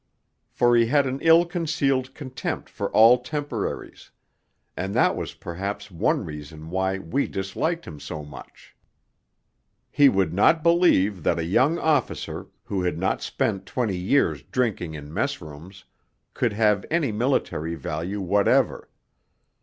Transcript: For he had an ill concealed contempt for all Temporaries; and that was perhaps one reason why we disliked him so much. He would not believe that a young officer, who had not spent twenty years drinking in mess rooms, could have any military value whatever.